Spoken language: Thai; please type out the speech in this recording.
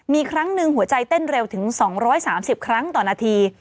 มีครั้งหนึ่งหัวใจเต้นเร็วถึง๒๓๐ครั้งต่อนาที